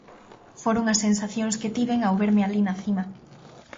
Foron as sensacións que tiven ao verme alí na cima.